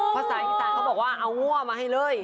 พระสาธิตศาสตร์เขาบอกว่าเอางั่วมาให้เลย